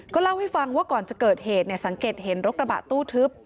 เล่าให้ฟังว่าก่อนจะเกิดเหตุสังเกตเห็นรถกระบะตู้ทึบ